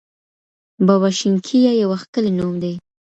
بابا شینکیه یو ښکلی نوم دی.